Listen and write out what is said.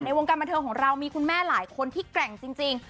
วงการบันเทิงของเรามีคุณแม่หลายคนที่แกร่งจริง